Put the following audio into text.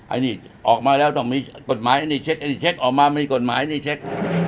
อันนี้ออกมาแล้วต้องมีกฎหมายไอ้นี่เช็คไอ้เช็คออกมามีกฎหมายนี่เช็ค